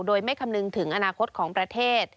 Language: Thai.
โดยไม่คำนึงถึงอนาคตของประเทศ